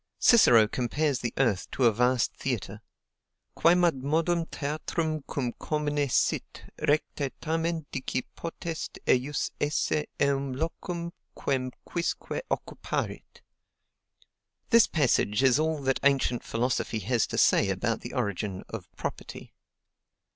Cicero compares the earth to a vast theatre: Quemadmodum theatrum cum commune sit, recte tamen dici potest ejus esse eum locum quem quisque occuparit. This passage is all that ancient philosophy has to say about the origin of property.